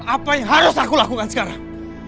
apa yang harus aku lakukan sekarang